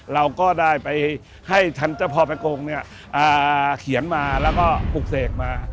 เราก็ได้ไปให้ท่านเจ้าพ่อประกงเนี่ยเขียนมาแล้วก็ปลูกเสกมา